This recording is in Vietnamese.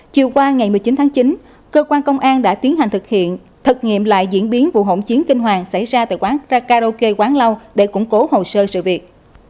chiều qua ngày một mươi chín tháng chín cơ quan công an đã tiến hành thực hiện thật nghiệm lại diễn biến vụ hỗn chiến kinh hoàng xảy ra tại quán karaoke quán lau để củng cố hồ sơ sự việc